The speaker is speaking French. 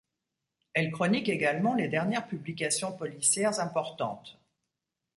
Elle chronique également les dernières publications policières importantes.